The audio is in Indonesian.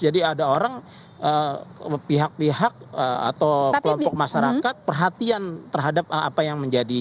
jadi ada orang pihak pihak atau kelompok masyarakat perhatian terhadap apa yang menjadi